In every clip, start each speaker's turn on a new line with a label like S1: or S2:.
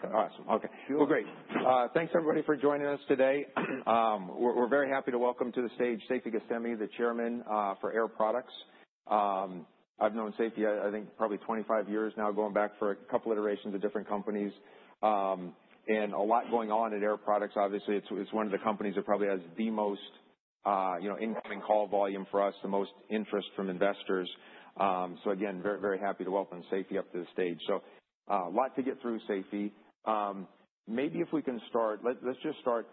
S1: Seifi. So are you good to go?
S2: Oh, yeah.
S1: Okay. All right. Okay. Well, great. Thanks, everybody, for joining us today. We're very happy to welcome to the stage Seifi Ghasemi, the Chairman of Air Products. I've known Seifi, I think, probably 25 years now, going back for a couple of iterations at different companies, and a lot going on at Air Products. Obviously, it's one of the companies that probably has the most incoming call volume for us, the most interest from investors, so again, very, very happy to welcome Seifi up to the stage, so a lot to get through, Seifi. Maybe if we can start, let's just start.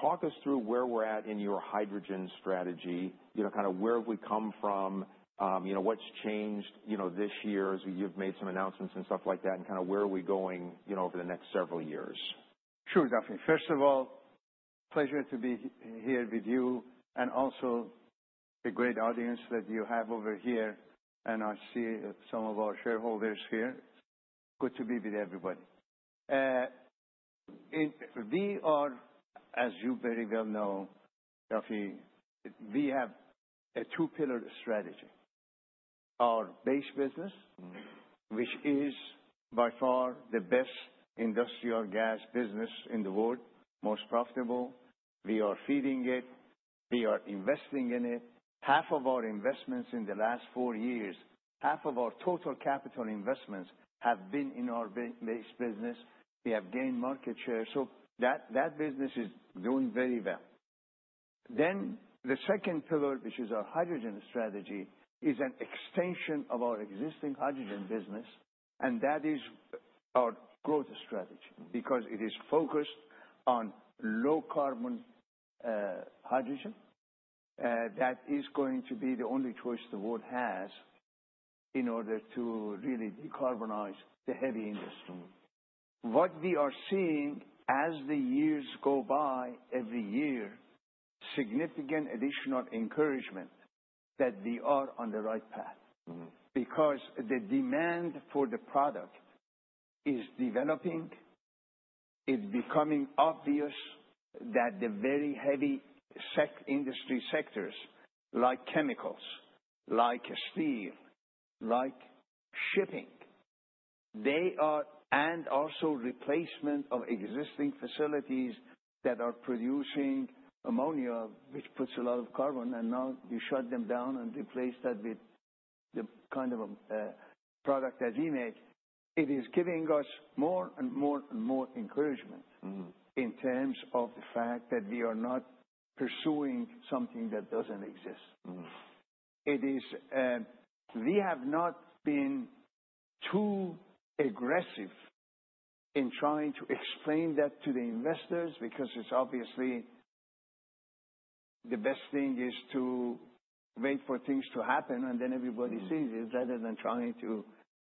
S1: Talk us through where we're at in your hydrogen strategy, kind of where have we come from, what's changed this year as you've made some announcements and stuff like that, and kind of where are we going over the next several years?
S2: Sure, Duffy. First of all, pleasure to be here with you and also the great audience that you have over here. And I see some of our shareholders here. Good to be with everybody. We are, as you very well know, Duffy, we have a two-pillar strategy. Our base business, which is by far the best industrial gas business in the world, most profitable. We are feeding it. We are investing in it. Half of our investments in the last four years, half of our total capital investments have been in our base business. We have gained market share, so that business is doing very well, then the second pillar, which is our hydrogen strategy, is an extension of our existing hydrogen business. And that is our growth strategy because it is focused on low-carbon hydrogen. That is going to be the only choice the world has in order to really decarbonize the heavy industry. What we are seeing as the years go by, every year, significant additional encouragement that we are on the right path because the demand for the product is developing. It's becoming obvious that the very heavy industry sectors like chemicals, like steel, like shipping, they are. And also replacement of existing facilities that are producing ammonia, which puts a lot of carbon, and now you shut them down and replace that with the kind of product that we make. It is giving us more and more and more encouragement in terms of the fact that we are not pursuing something that doesn't exist. We have not been too aggressive in trying to explain that to the investors because it's obviously the best thing is to wait for things to happen and then everybody sees it rather than trying to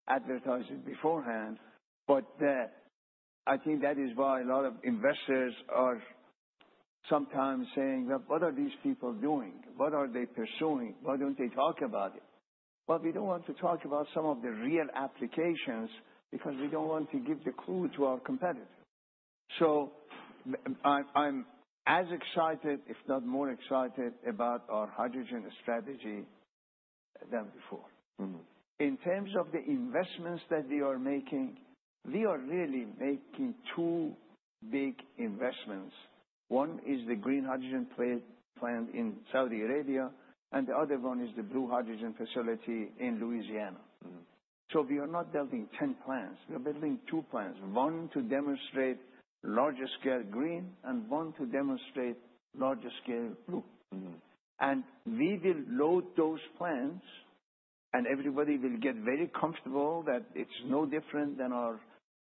S2: advertise it beforehand. But I think that is why a lot of investors are sometimes saying, "What are these people doing? What are they pursuing? Why don't they talk about it?" Well, we don't want to talk about some of the real applications because we don't want to give the clue to our competitor. So I'm as excited, if not more excited, about our hydrogen strategy than before. In terms of the investments that we are making, we are really making two big investments. One is the green hydrogen plant in Saudi Arabia, and the other one is the blue hydrogen facility in Louisiana. So we are not building 10 plants. We are building two plants, one to demonstrate larger scale green and one to demonstrate larger scale blue. And we will load those plants, and everybody will get very comfortable that it's no different than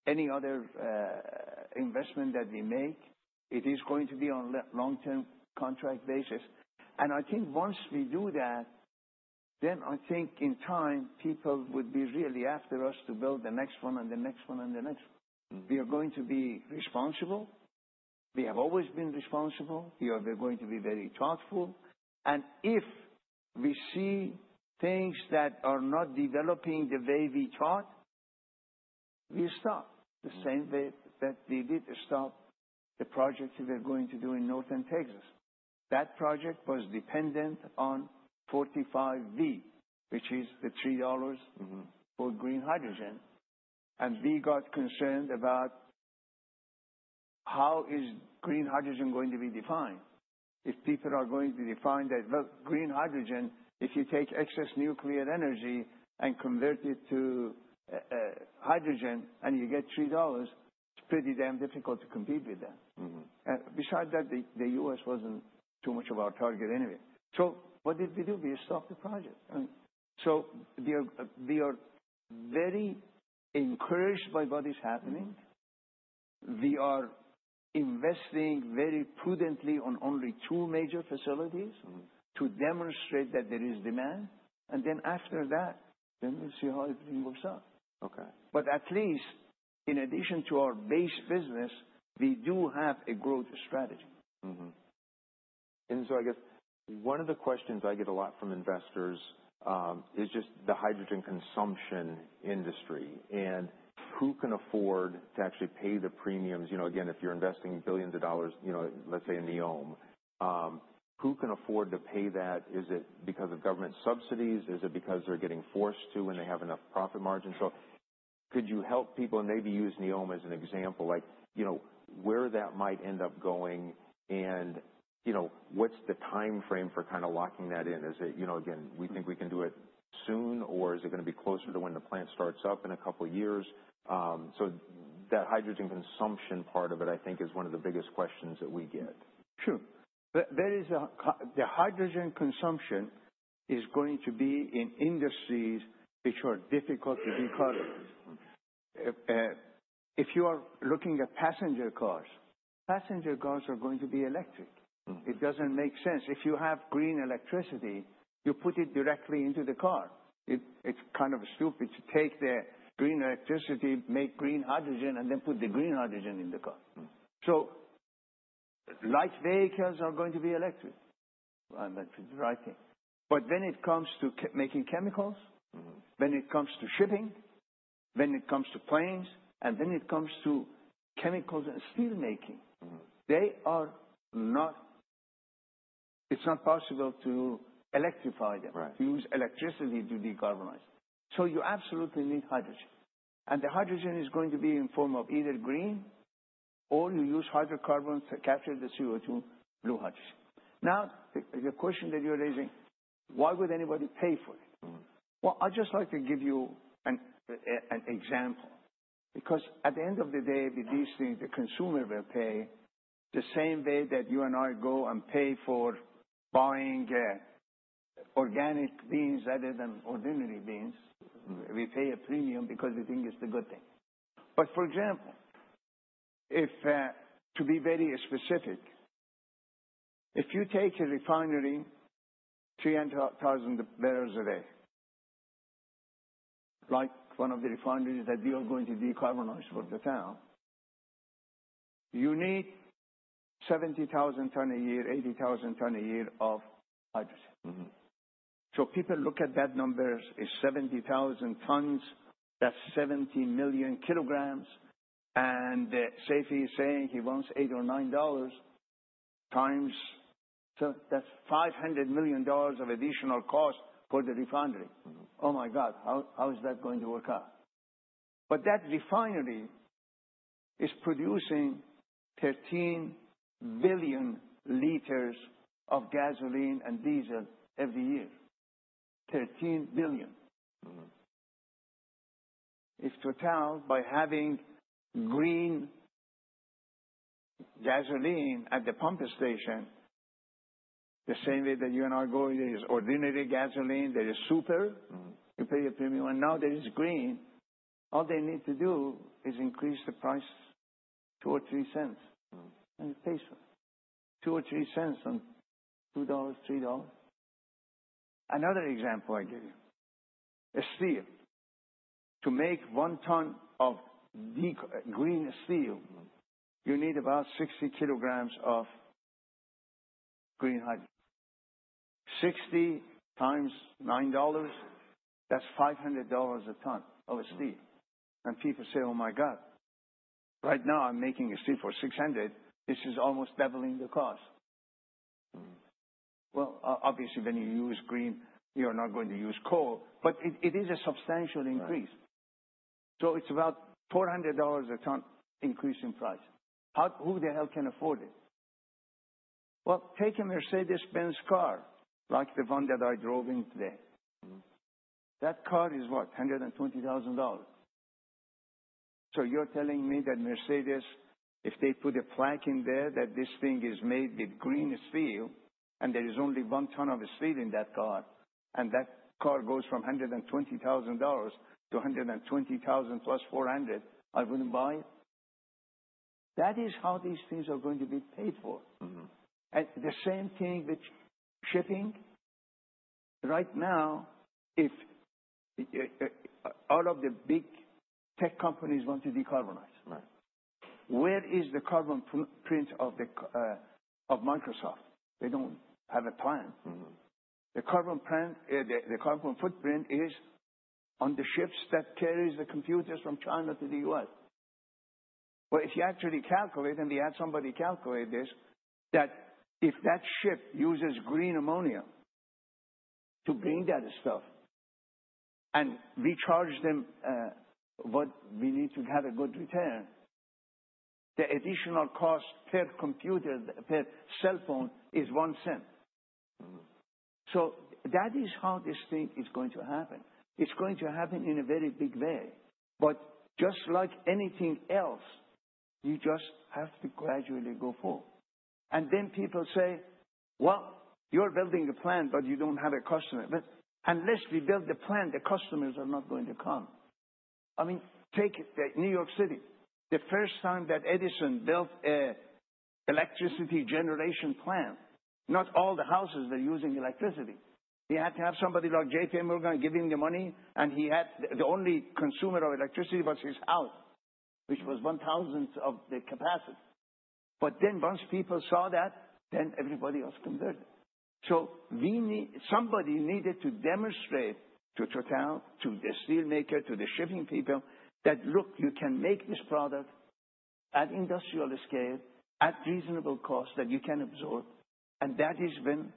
S2: any other investment that we make. It is going to be on a long-term contract basis. And I think once we do that, then I think in time, people would be really after us to build the next one and the next one and the next one. We are going to be responsible. We have always been responsible. We are going to be very thoughtful. And if we see things that are not developing the way we thought, we'll stop. The same way that we did stop the project we were going to do in Northern Texas. That project was dependent on 45V, which is the $3 for green hydrogen. We got concerned about how is green hydrogen going to be defined. If people are going to define that green hydrogen, if you take excess nuclear energy and convert it to hydrogen and you get $3, it's pretty damn difficult to compete with that. Besides that, the U.S. wasn't too much of our target anyway. What did we do? We stopped the project. We are very encouraged by what is happening. We are investing very prudently on only two major facilities to demonstrate that there is demand. Then after that, then we'll see how everything works out. At least in addition to our base business, we do have a growth strategy.
S1: And so I guess one of the questions I get a lot from investors is just the hydrogen consumption industry and who can afford to actually pay the premiums. Again, if you're investing billions of dollars, let's say in NEOM, who can afford to pay that? Is it because of government subsidies? Is it because they're getting forced to when they have enough profit margin? So could you help people and maybe use NEOM as an example, where that might end up going and what's the timeframe for kind of locking that in? Is it, again, we think we can do it soon, or is it going to be closer to when the plant starts up in a couple of years? So that hydrogen consumption part of it, I think, is one of the biggest questions that we get.
S2: Sure. The hydrogen consumption is going to be in industries which are difficult to decarbonize. If you are looking at passenger cars, passenger cars are going to be electric. It doesn't make sense. If you have green electricity, you put it directly into the car. It's kind of stupid to take the green electricity, make green hydrogen, and then put the green hydrogen in the car. So light vehicles are going to be electric. I'm not sure the right thing. But when it comes to making chemicals, when it comes to shipping, when it comes to planes, and when it comes to chemicals and steel making, it's not possible to electrify them, to use electricity to decarbonize. So you absolutely need hydrogen. And the hydrogen is going to be in the form of either green or you use hydrocarbons to capture the CO2, blue hydrogen. Now, the question that you're raising, why would anybody pay for it? Well, I'd just like to give you an example because at the end of the day, with these things, the consumer will pay the same way that you and I go and pay for buying organic beans rather than ordinary beans. We pay a premium because we think it's the good thing. But for example, to be very specific, if you take a refinery, 300,000 barrels a day, like one of the refineries that we are going to decarbonize for Dow, you need 70,000 tons a year, 80,000 tons a year of hydrogen. So people look at that number. It's 70,000 tons. That's 70 million kilograms. And Seifi is saying he wants $8 or $9 times. So that's $500 million of additional cost for the refinery. Oh my God, how is that going to work out? But that refinery is producing 13 billion liters of gasoline and diesel every year. 13 billion. If total. By having green gasoline at the pumping station, the same way that you and I go, there is ordinary gasoline, there is super. You pay a premium. And now there is green. All they need to do is increase the price two or three cents. And you pay two or three cents on $2-3. Another example I give you. Steel. To make one ton of green steel, you need about 60 kilograms of green hydrogen. 60 times $9, that's $500 a ton of steel. And people say, "Oh my God, right now I'm making steel for $600. This is almost doubling the cost." Well, obviously, when you use green, you are not going to use coal, but it is a substantial increase. It's about $400 a ton increase in price. Who the hell can afford it? Well, take a Mercedes-Benz car, like the one that I drove in today. That car is what? $120,000. So you're telling me that Mercedes, if they put a plaque in there that this thing is made with green steel and there is only one ton of steel in that car, and that car goes from $120,000 to 120,000 plus $400, I wouldn't buy it? That is how these things are going to be paid for. And the same thing with shipping. Right now, if all of the big tech companies want to decarbonize, where is the carbon footprint of Microsoft? They don't have a plan. The carbon footprint is on the ships that carry the computers from China to the U.S.. Well, if you actually calculate and we had somebody calculate this, that if that ship uses green ammonia to bring that stuff and we charge them what we need to have a good return, the additional cost per computer, per cell phone is $0.01. So that is how this thing is going to happen. It's going to happen in a very big way. But just like anything else, you just have to gradually go forward. And then people say, "Well, you're building a plant, but you don't have a customer." But unless we build the plant, the customers are not going to come. I mean, take New York City. The first time that Edison built an electricity generation plant, not all the houses were using electricity. He had to have somebody like J.P. Morgan giving the money, and the only consumer of electricity was his house, which was 1,000 of the capacity. But then once people saw that, then everybody else converted. So somebody needed to demonstrate to the town, to the steelmaker, to the shipping people that, "Look, you can make this product at industrial scale, at reasonable cost that you can absorb." And that is when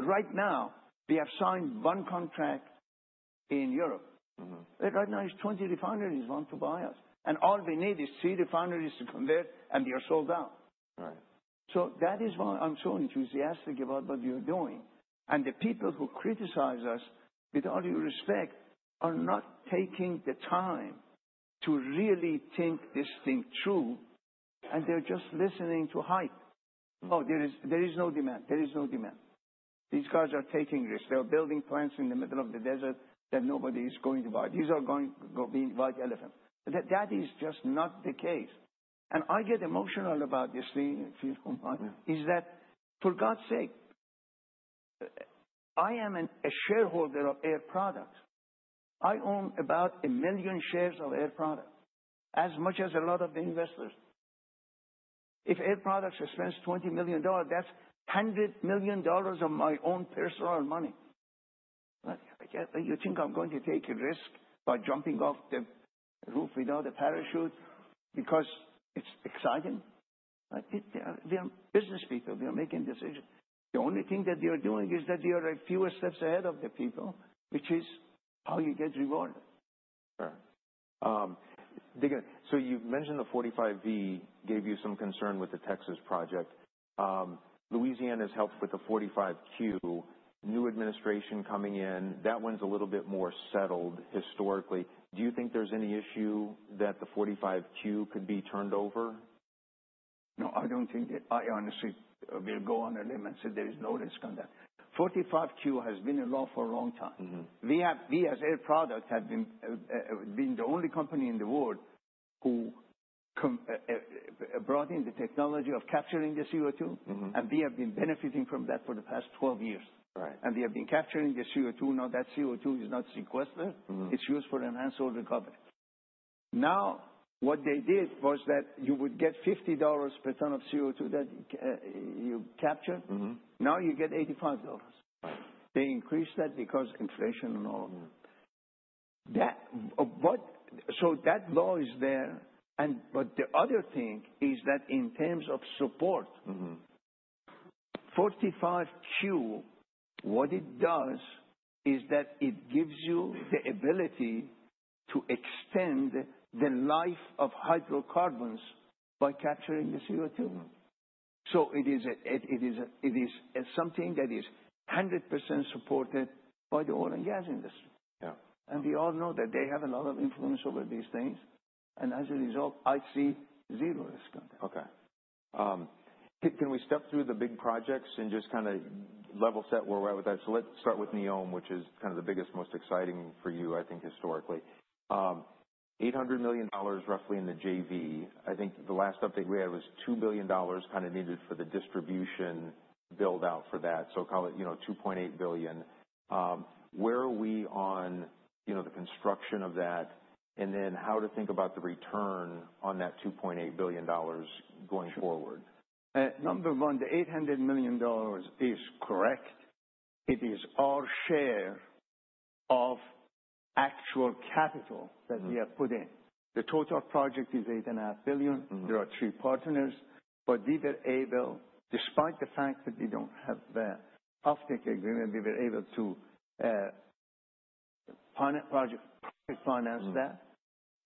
S2: right now, we have signed one contract in Europe. Right now, it's 20 refineries want to buy us. And all we need is three refineries to convert, and they are sold out. So that is why I'm so enthusiastic about what we are doing. And the people who criticize us, with all due respect, are not taking the time to really think this thing through, and they're just listening to hype. "Oh, there is no demand. There is no demand." These guys are taking risks. They are building plants in the middle of the desert that nobody is going to buy. These are going to be white elephants. That is just not the case, and I get emotional about this thing. Is that for God's sake? I am a shareholder of Air Products. I own about a million shares of Air Products, as much as a lot of the investors. If Air Products spends $20 million, that's $100 million of my own personal money. You think I'm going to take a risk by jumping off the roof without a parachute because it's exciting? They are business people. They are making decisions. The only thing that they are doing is that they are a few steps ahead of the people, which is how you get rewarded.
S1: Sure. So you mentioned the 45V gave you some concern with the Texas project. Louisiana has helped with the 45Q. New administration coming in. That one's a little bit more settled historically. Do you think there's any issue that the 45Q could be turned over?
S2: No, I don't think it. I honestly will go out on a limb and say there is no risk on that. 45Q has been in law for a long time. We, as Air Products, have been the only company in the world who brought in the technology of capturing the CO2, and we have been benefiting from that for the past 12 years. And we have been capturing the CO2. Now, that CO2 is not sequestered. It's used for enhanced oil recovery. Now, what they did was that you would get $50 per ton of CO2 that you capture. Now you get $85. They increased that because of inflation and all of that. So that law is there. But the other thing is that in terms of support, 45Q, what it does is that it gives you the ability to extend the life of hydrocarbons by capturing the CO2. So it is something that is 100% supported by the oil and gas industry. And we all know that they have a lot of influence over these things. And as a result, I see zero risk on that.
S1: Okay. Can we step through the big projects and just kind of level set where we're at with that? So let's start with NEOM, which is kind of the biggest, most exciting for you, I think, historically. $800 million, roughly, in the JV. I think the last update we had was $2 billion kind of needed for the distribution build-out for that. So call it $2.8 billion. Where are we on the construction of that? And then how to think about the return on that $2.8 billion going forward?
S2: Sure. Number one, the $800 million is correct. It is our share of actual capital that we have put in. The total project is $8.5 billion. There are three partners. But we were able, despite the fact that we don't have the offtake agreement, we were able to finance that.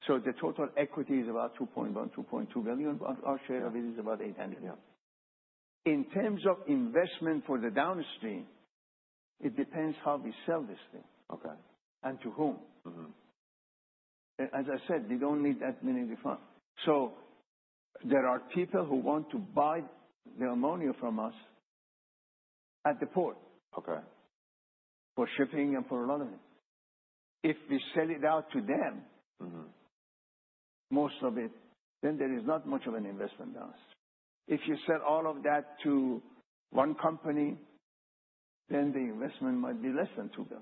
S2: So the total equity is about $2.1-2.2 billion. But our share of it is about $800 million. In terms of investment for the downstream, it depends how we sell this thing and to whom. As I said, we don't need that many refineries. So there are people who want to buy the ammonia from us at the port for shipping and for a lot of things. If we sell it out to them, most of it, then there is not much of an investment downstream. If you sell all of that to one company, then the investment might be less than $2 billion. If you sell it to,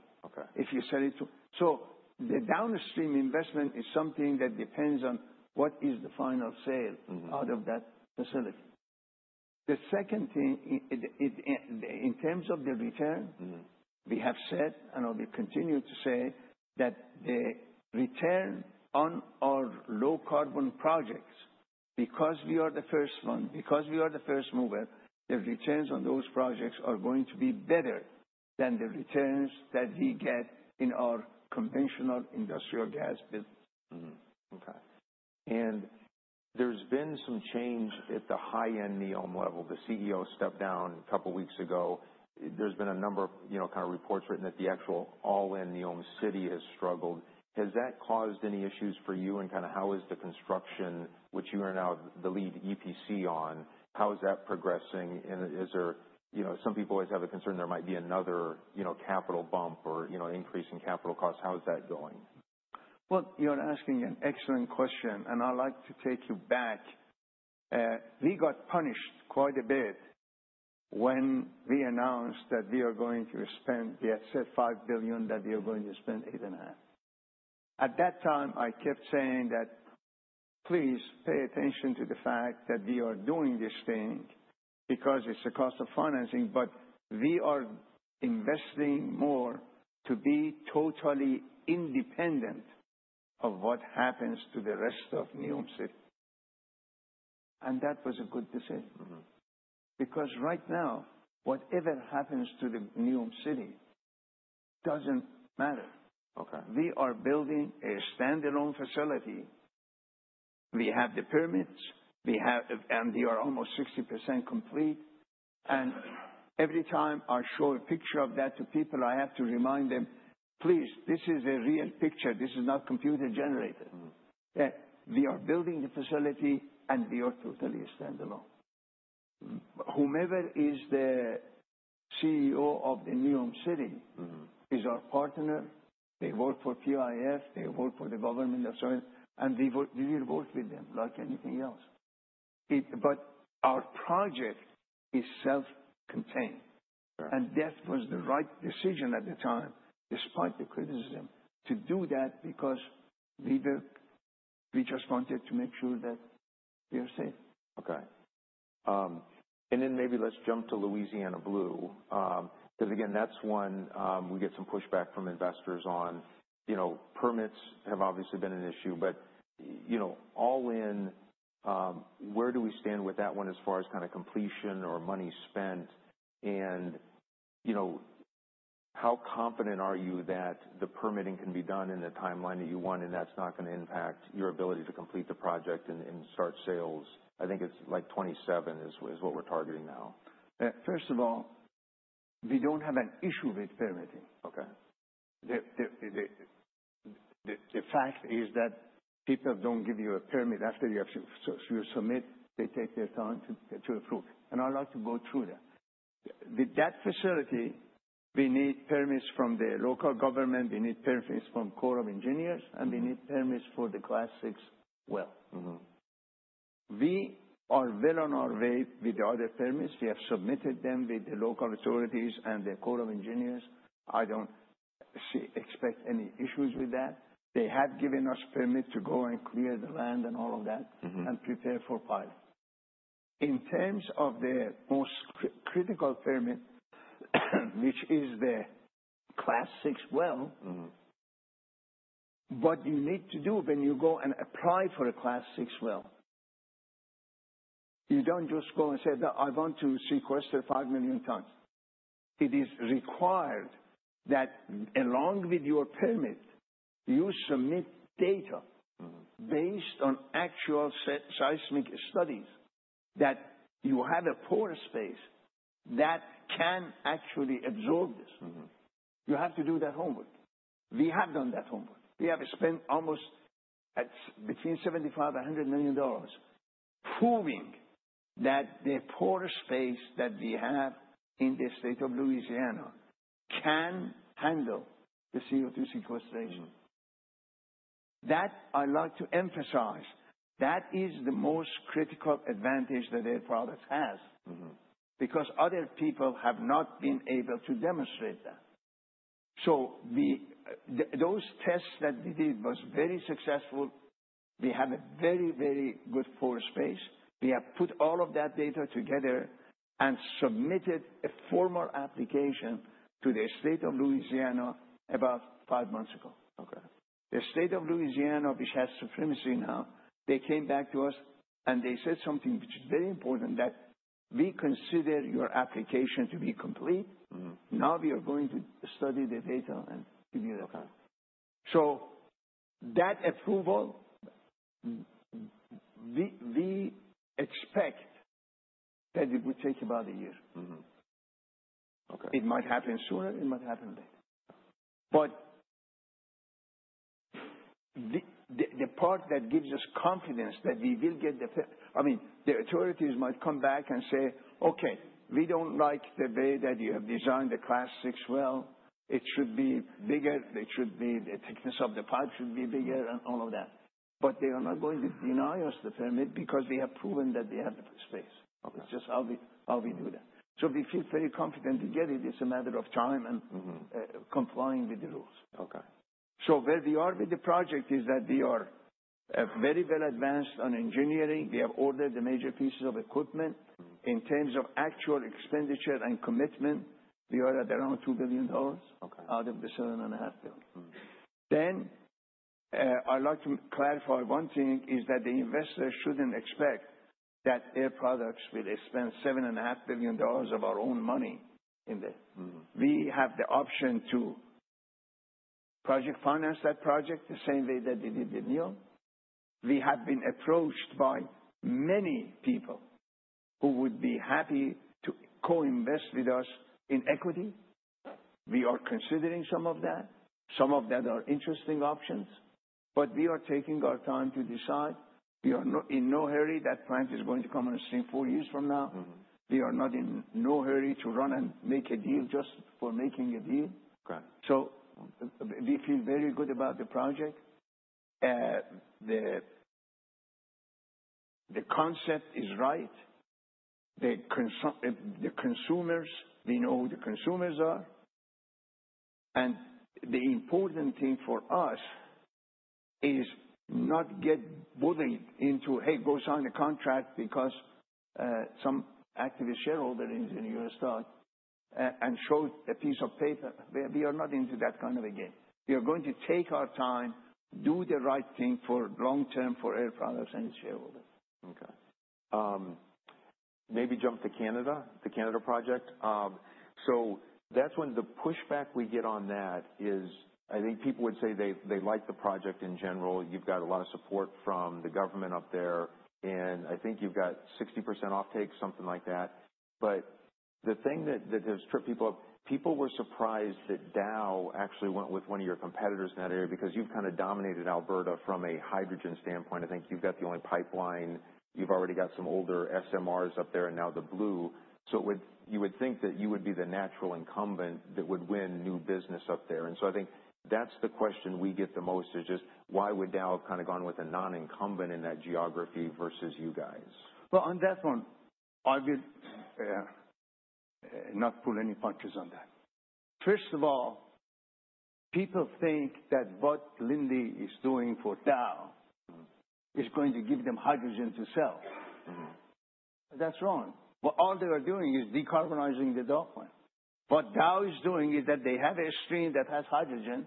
S2: so the downstream investment is something that depends on what is the final sale out of that facility. The second thing, in terms of the return, we have said, and we continue to say, that the return on our low-carbon projects, because we are the first one, because we are the first mover, the returns on those projects are going to be better than the returns that we get in our conventional industrial gas business.
S1: Okay. And there's been some change at the high-end NEOM level. The CEO stepped down a couple of weeks ago. There's been a number of kind of reports written that the actual all-in NEOM city has struggled. Has that caused any issues for you? And kind of how is the construction, which you are now the lead EPC on? How is that progressing? And some people always have a concern there might be another capital bump or increase in capital costs. How is that going?
S2: You're asking an excellent question, and I'd like to take you back. We got punished quite a bit when we announced that we are going to spend. We had said $5 billion that we were going to spend $8.5 billion. At that time, I kept saying that, "Please pay attention to the fact that we are doing this thing because it's a cost of financing, but we are investing more to be totally independent of what happens to the rest of NEOM City." That was a good decision. Because right now, whatever happens to the NEOM City doesn't matter. We are building a standalone facility. We have the permits, and we are almost 60% complete. Every time I show a picture of that to people, I have to remind them, "Please, this is a real picture. This is not computer-generated." We are building the facility, and we are totally standalone. Whoever is the CEO of the NEOM City is our partner. They work for PIF. They work for the government, and we work with them like anything else. But our project is self-contained, and that was the right decision at the time, despite the criticism, to do that because we just wanted to make sure that we are safe.
S1: Okay. And then maybe let's jump to Louisiana Blue. Because again, that's one we get some pushback from investors on. Permits have obviously been an issue. But all in, where do we stand with that one as far as kind of completion or money spent? And how confident are you that the permitting can be done in the timeline that you want and that's not going to impact your ability to complete the project and start sales? I think it's like 2027 is what we're targeting now.
S2: First of all, we don't have an issue with permitting. The fact is that people don't give you a permit after you submit. They take their time to approve. And I'd like to go through that. With that facility, we need permits from the local government. We need permits from Corps of Engineers, and we need permits for the Class VI well. We are well on our way with the other permits. We have submitted them with the local authorities and the Corps of Engineers. I don't expect any issues with that. They have given us permits to go and clear the land and all of that and prepare for piling. In terms of the most critical permit, which is the Class VI well, what you need to do when you go and apply for a Class VI well, you don't just go and say, "I want to sequester five million tons." It is required that along with your permit, you submit data based on actual seismic studies that you have a pore space that can actually absorb this. You have to do that homework. We have done that homework. We have spent almost between $75 and 100 million proving that the pore space that we have in the state of Louisiana can handle the CO2 sequestration. That I'd like to emphasize. That is the most critical advantage that Air Products has because other people have not been able to demonstrate that. So those tests that we did were very successful. We have a very, very good pore space. We have put all of that data together and submitted a formal application to the state of Louisiana about five months ago. The state of Louisiana, which has supremacy now, they came back to us and they said something which is very important that we consider your application to be complete. Now we are going to study the data and give you the permit. So that approval, we expect that it will take about a year. It might happen sooner. It might happen later. But the part that gives us confidence that we will get the—I mean, the authorities might come back and say, "Okay, we don't like the way that you have designed the Class VI well. It should be bigger. The thickness of the pipe should be bigger and all of that." But they are not going to deny us the permit because we have proven that we have the space. It's just how we do that. So we feel very confident to get it. It's a matter of time and complying with the rules. So where we are with the project is that we are very well advanced on engineering. We have ordered the major pieces of equipment. In terms of actual expenditure and commitment, we are at around $2 billion out of the $7.5 billion. Then I'd like to clarify one thing is that the investors shouldn't expect that Air Products will spend $7.5 billion of our own money in there. We have the option to project finance that project the same way that we did the NEOM. We have been approached by many people who would be happy to co-invest with us in equity. We are considering some of that. Some of that are interesting options. But we are taking our time to decide. We are in no hurry. That plant is going to come on the scene four years from now. We are not in no hurry to run and make a deal just for making a deal. So we feel very good about the project. The concept is right. The consumers, we know who the consumers are. And the important thing for us is not to get bullied into, "Hey, go sign the contract because some activist shareholder is in the U.S.," and show a piece of paper. We are not into that kind of a game. We are going to take our time, do the right thing for long term for Air Products and its shareholders.
S1: Okay. Maybe jump to Canada, the Canada project. So that's when the pushback we get on that is I think people would say they like the project in general. You've got a lot of support from the government up there. And I think you've got 60% offtake, something like that. But the thing that has tripped people up, people were surprised that Dow actually went with one of your competitors in that area because you've kind of dominated Alberta from a hydrogen standpoint. I think you've got the only pipeline. You've already got some older SMRs up there and now the Blue. So you would think that you would be the natural incumbent that would win new business up there. And so I think that's the question we get the most is just why would Dow have kind of gone with a non-incumbent in that geography versus you guys?
S2: On that one, I will not pull any punches on that. First of all, people think that what Linde is doing for Dow is going to give them hydrogen to sell. That's wrong. What all they are doing is decarbonizing the Dow line. What Dow is doing is that they have a stream that has hydrogen.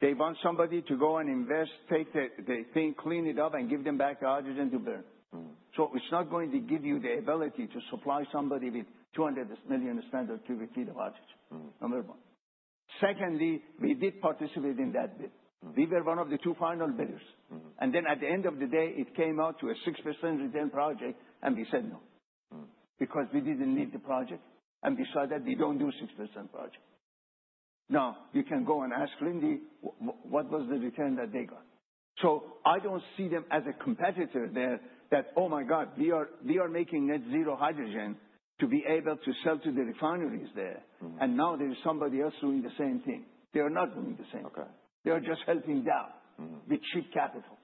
S2: They want somebody to go and invest, take the thing, clean it up, and give them back the hydrogen to burn. So it's not going to give you the ability to supply somebody with 200 million standard cubic feet of hydrogen. Number one. Secondly, we did participate in that bid. We were one of the two final bidders. Then at the end of the day, it came out to a 6% return project, and we said no because we didn't need the project. We saw that we don't do 6% project. Now, you can go and ask Linde what was the return that they got. So I don't see them as a competitor there that, "Oh my God, we are making net zero hydrogen to be able to sell to the refineries there." And now there is somebody else doing the same thing. They are not doing the same thing. They are just helping Dow with cheap capital.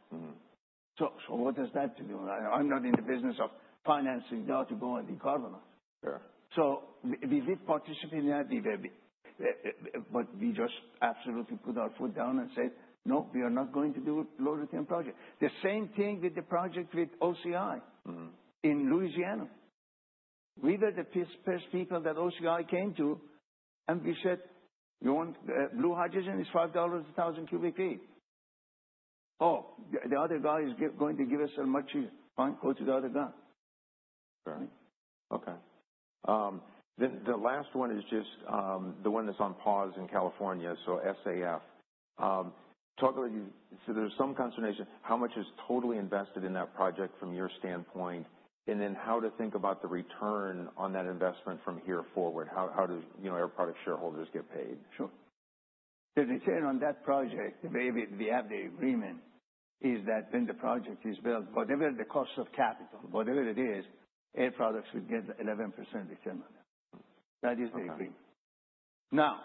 S2: So what does that do? I'm not in the business of financing Dow to go and decarbonize. So we did participate in that. But we just absolutely put our foot down and said, "No, we are not going to do a low-return project." The same thing with the project with OCI in Louisiana. We were the first people that OCI came to, and we said, "Blue hydrogen is $5 a thousand cubic feet." "Oh, the other guy is going to give us a much cheaper price. Go to the other guy.
S1: Okay. The last one is just the one that's on pause in California, so SAF. So there's some concern as to how much is totally invested in that project from your standpoint, and then how to think about the return on that investment from here forward. How do Air Products shareholders get paid?
S2: Sure. The return on that project, the way we have the agreement, is that when the project is built, whatever the cost of capital, whatever it is, Air Products will get 11% return on it. That is the agreement. Now,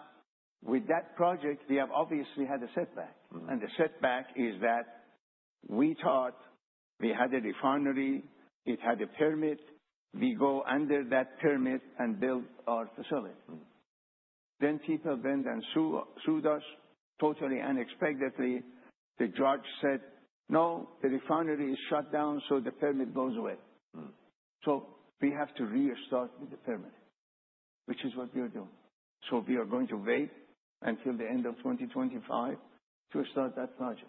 S2: with that project, we have obviously had a setback, and the setback is that we thought we had a refinery. It had a permit. We go under that permit and build our facility. Then people went and sued us totally unexpectedly. The judge said, "No, the refinery is shut down, so the permit goes away," so we have to restart with the permit, which is what we are doing, so we are going to wait until the end of 2025 to start that project,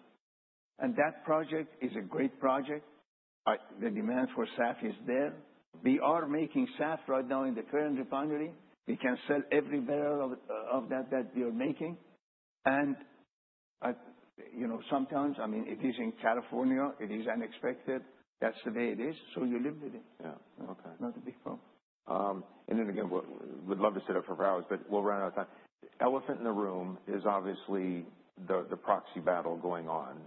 S2: and that project is a great project. The demand for SAF is there. We are making SAF right now in the current refinery. We can sell every barrel of that that we are making. And sometimes, I mean, it is in California. It is unexpected. That's the way it is. So you live with it. Not a big problem.
S1: And then again, we'd love to sit up for hours, but we'll run out of time. Elephant in the room is obviously the proxy battle going on.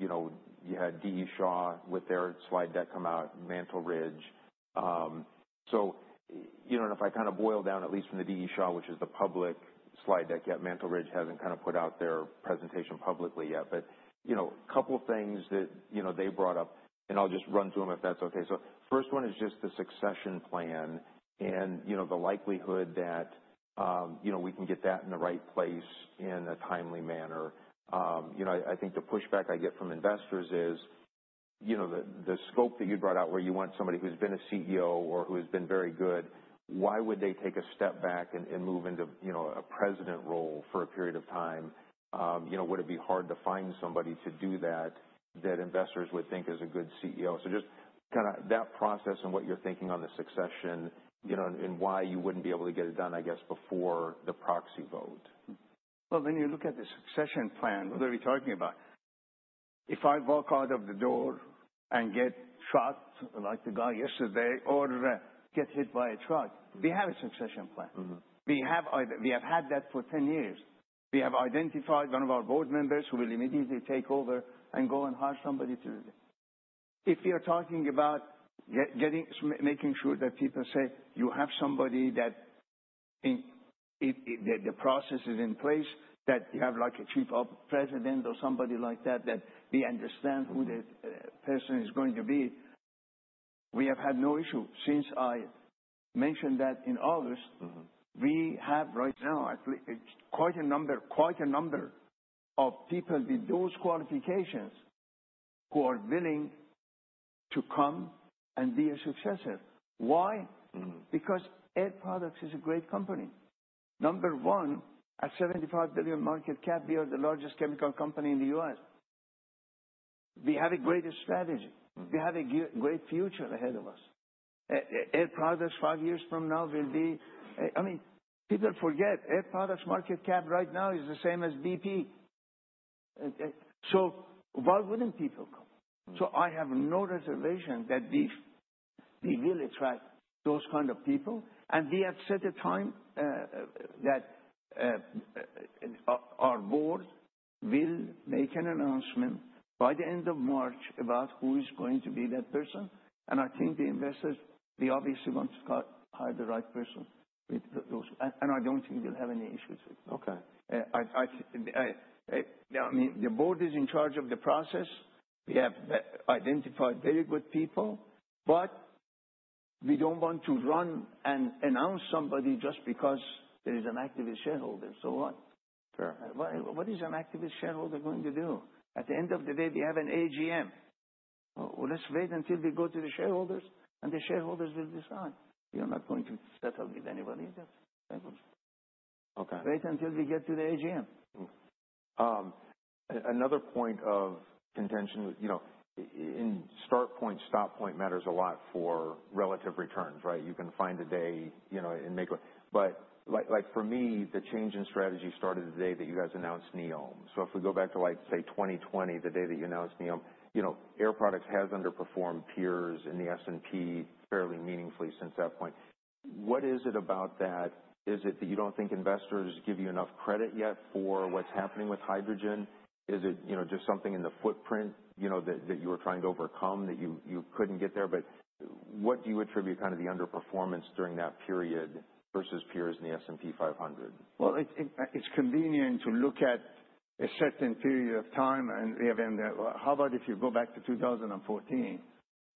S1: You had D. E. Shaw with their slide deck come out, Mantle Ridge. So if I kind of boil down at least from the D. E. Shaw, which is the public slide deck yet, Mantle Ridge hasn't kind of put out their presentation publicly yet. But a couple of things that they brought up, and I'll just run through them if that's okay. So first one is just the succession plan and the likelihood that we can get that in the right place in a timely manner. I think the pushback I get from investors is the scope that you brought out where you want somebody who's been a CEO or who has been very good. Why would they take a step back and move into a president role for a period of time? Would it be hard to find somebody to do that that investors would think is a good CEO? So just kind of that process and what you're thinking on the succession and why you wouldn't be able to get it done, I guess, before the proxy vote.
S2: When you look at the succession plan, what are we talking about? If I walk out of the door and get shot like the guy yesterday or get hit by a truck, we have a succession plan. We have had that for 10 years. We have identified one of our board members who will immediately take over and go and hire somebody to do that. If we are talking about making sure that people say, "You have somebody that the process is in place, that you have a chief president or somebody like that that we understand who the person is going to be," we have had no issue. Since I mentioned that in August, we have right now quite a number of people with those qualifications who are willing to come and be a successor. Why? Because Air Products is a great company. Number one, at $75 billion market cap, we are the largest chemical company in the U.S. We have a great strategy. We have a great future ahead of us. Air Products five years from now will be, I mean, people forget Air Products market cap right now is the same as BP. So why wouldn't people come? So I have no reservation that we will attract those kind of people. And we have set a time that our board will make an announcement by the end of March about who is going to be that person. And I think the investors, they obviously want to hire the right person. And I don't think we'll have any issues with that. I mean, the board is in charge of the process. We have identified very good people. But we don't want to run and announce somebody just because there is an activist shareholder. So what? What is an activist shareholder going to do? At the end of the day, we have an AGM. Well, let's wait until we go to the shareholders, and the shareholders will decide. We are not going to settle with anybody else. Wait until we get to the AGM.
S1: Another point of contention in start point, stop point matters a lot for relative returns, right? You can find a day—but for me, the change in strategy started the day that you guys announced NEOM. So if we go back to, say, 2020, the day that you announced NEOM, Air Products has underperformed peers in the S&P fairly meaningfully since that point. What is it about that? Is it that you don't think investors give you enough credit yet for what's happening with hydrogen? Is it just something in the footprint that you were trying to overcome that you couldn't get there? But what do you attribute kind of the underperformance during that period versus peers in the S&P 500?
S2: It's convenient to look at a certain period of time. How about if you go back to 2014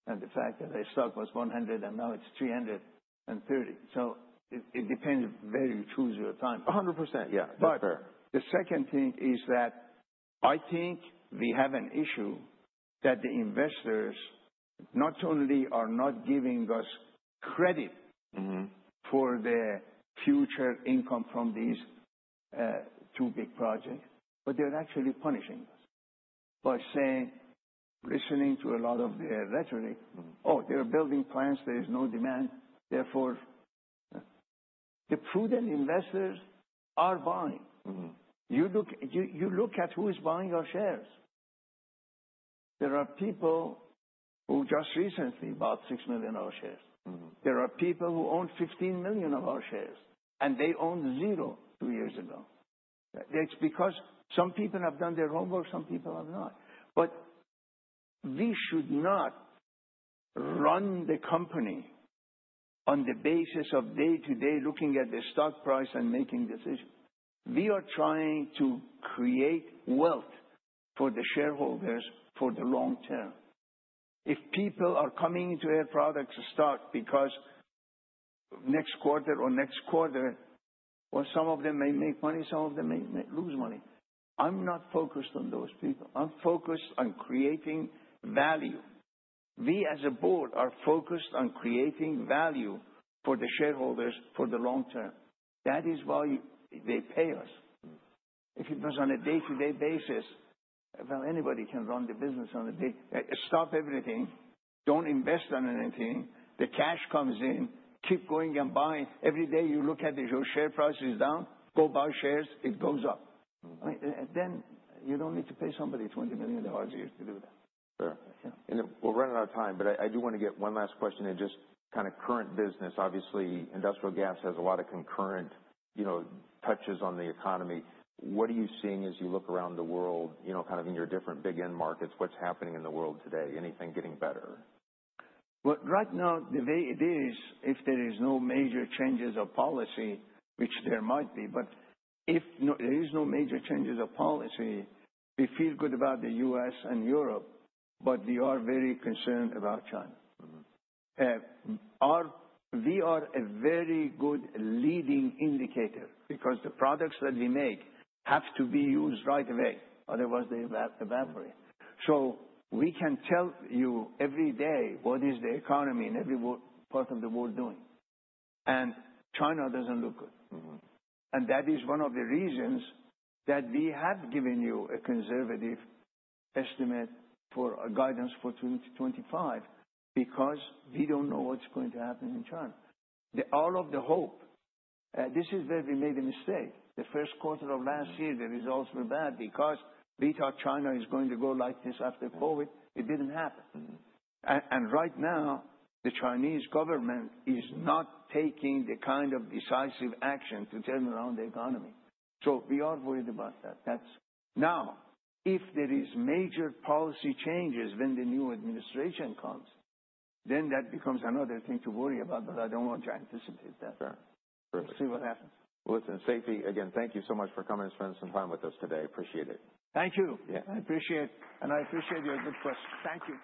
S2: and the fact that the stock was 100 and now it's 330? It depends where you choose your time.
S1: 100%. Yeah. That's fair.
S2: But the second thing is that I think we have an issue that the investors not only are not giving us credit for the future income from these two big projects, but they're actually punishing us by saying, listening to a lot of their rhetoric, "Oh, they're building plants. There is no demand. Therefore, the prudent investors are buying." You look at who is buying our shares. There are people who just recently bought six million of our shares. There are people who own 15 million of our shares, and they owned zero two years ago. It's because some people have done their homework. Some people have not. But we should not run the company on the basis of day-to-day looking at the stock price and making decisions. We are trying to create wealth for the shareholders for the long term. If people are coming into Air Products stock because next quarter or next quarter, well, some of them may make money. Some of them may lose money. I'm not focused on those people. I'm focused on creating value. We, as a board, are focused on creating value for the shareholders for the long term. That is why they pay us. If it was on a day-to-day basis, well, anybody can run the business on a day. Stop everything. Don't invest on anything. The cash comes in. Keep going and buying. Every day you look at your share price is down. Go buy shares. It goes up. Then you don't need to pay somebody $20 million a year to do that.
S1: Fair. And we're running out of time, but I do want to get one last question in just kind of current business. Obviously, industrial gas has a lot of concurrent touches on the economy. What are you seeing as you look around the world kind of in your different big end markets? What's happening in the world today? Anything getting better?
S2: Right now, the way it is, if there are no major changes of policy, which there might be, but if there are no major changes of policy, we feel good about the U.S. and Europe, but we are very concerned about China. We are a very good leading indicator because the products that we make have to be used right away. Otherwise, they evaporate. So we can tell you every day what is the economy in every part of the world doing. China doesn't look good. That is one of the reasons that we have given you a conservative estimate for guidance for 2025 because we don't know what's going to happen in China. All of the hope, this is where we made a mistake. Q1 of last year, the results were bad because we thought China is going to go like this after COVID. It didn't happen, and right now, the Chinese government is not taking the kind of decisive action to turn around the economy, so we are worried about that. Now, if there are major policy changes when the new administration comes, then that becomes another thing to worry about, but I don't want you to anticipate that.
S1: Sure.
S2: We'll see what happens.
S1: Listen, Seifi, again, thank you so much for coming and spending some time with us today. Appreciate it.
S2: Thank you. I appreciate it. And I appreciate your good questions. Thank you.